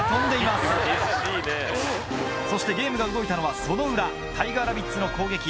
そしてゲームが動いたのはその裏タイガーラビッツの攻撃。